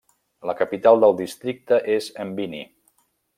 La capital del districte és Mbini.